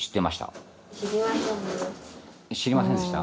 知りませんでした？